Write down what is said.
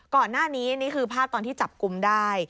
ก่อนหน้านี้นี่คือภาพตอนที่จับกุมได้